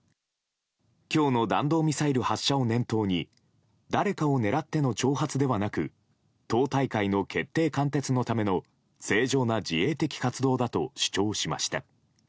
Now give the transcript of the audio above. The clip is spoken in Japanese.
今日の弾道ミサイル発射を念頭に誰かを狙っての挑発ではなく党大会の決定貫徹のための正常な自衛的活動だと主張しました。